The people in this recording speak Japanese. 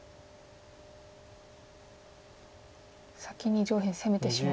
先に上辺攻めてしまおうと。